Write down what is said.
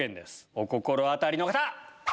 お心当たりの方！